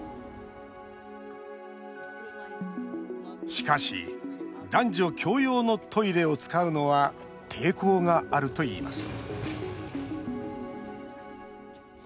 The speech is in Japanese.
しかし、男女共用のトイレを使うのは抵抗があるといいます